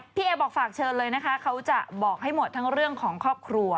พี่เอบอกฝากเชิญเลยนะคะเขาจะบอกให้หมดทั้งเรื่องของครอบครัว